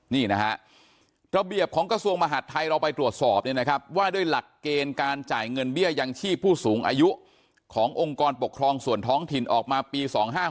นี่นะฮะระเบียบของกระทรวงมหาดไทยเราไปตรวจสอบเนี่ยนะครับว่าด้วยหลักเกณฑ์การจ่ายเงินเบี้ยยังชีพผู้สูงอายุขององค์กรปกครองส่วนท้องถิ่นออกมาปี๒๕๖